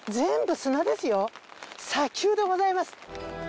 砂丘でございます。